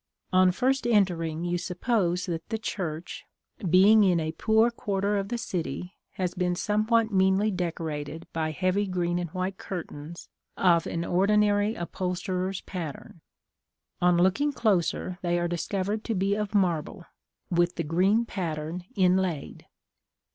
On first entering you suppose that the church, being in a poor quarter of the city, has been somewhat meanly decorated by heavy green and white curtains of an ordinary upholsterer's pattern: on looking closer, they are discovered to be of marble, with the green pattern inlaid.